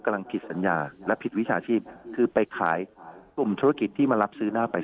กำลังผิดสัญญาและผิดวิชาชีพคือไปขายกลุ่มธุรกิจที่มารับซื้อหน้าไป